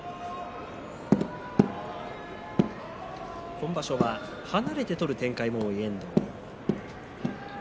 今場所は離れて取る展開が多い遠藤。